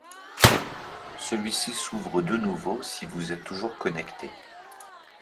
Celui-ci s'ouvre de nouveau si vous êtes toujours connecté.